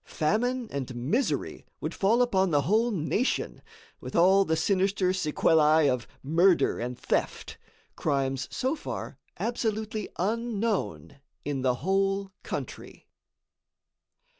Famine and misery would fall upon the whole nation, with all the sinister sequellæ of murder and theft, crimes so far absolutely unknown in the whole country.